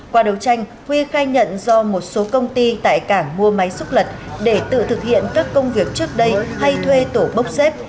qua đấu tranh huy khai nhận do một số công ty tại cảng mua máy xúc lật để tự thực hiện các công việc trước đây hay thuê tổ bốc xếp